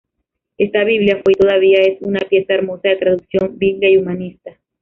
Esta Biblia, fue y todavía es una pieza hermosa de traducción Biblia y humanista.